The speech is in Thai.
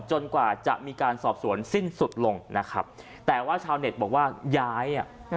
กว่าจะมีการสอบสวนสิ้นสุดลงนะครับแต่ว่าชาวเน็ตบอกว่าย้ายอ่ะ